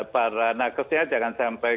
para naketnya jangan sampai